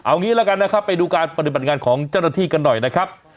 เอางี้ละกันนะครับไปดูการปฏิบัติงานของเจ้าหน้าที่กันหน่อยนะครับ